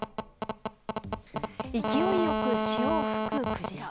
勢いよく潮を吹くクジラ。